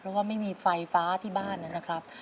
เพราะว่าไม่มีไฟฟ้าที่บ้านนะครับ